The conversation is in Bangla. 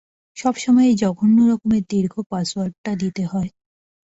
সব সময় এই জঘন্য রকমের দীর্ঘ পাসওয়ার্ডটা দিতে হয়।